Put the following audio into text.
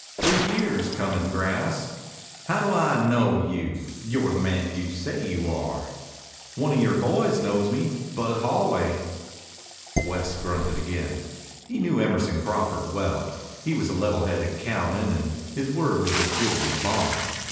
"Three years comin' grass." "How do I knew you you're the man you say you are?" "One of yore boys knows me Bud Holway." West grunted again. He knew Emerson Crawford well. He was a level headed cowman and his word was as good as his bond.